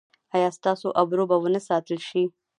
ایا ستاسو ابرو به و نه ساتل شي؟